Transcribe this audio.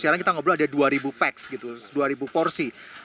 sekarang kita ngobrol ada dua peks gitu dua porsi